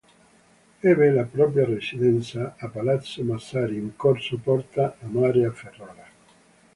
Ebbe la propria residenza a Palazzo Massari, in corso Porta a Mare a Ferrara.